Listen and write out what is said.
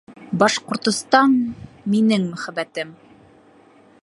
Башҡортостан - минең мөхәббәтем